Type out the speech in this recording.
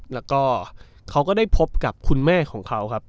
แล้วก็เขาก็ได้พบกับคุณแม่ของเขาครับ